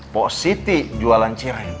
pok siti jualan cireng